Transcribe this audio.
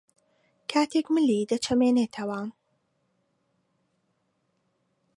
کاتێک ملی دەچەمێنێتەوە